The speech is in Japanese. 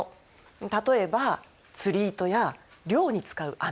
例えば釣り糸や漁に使う網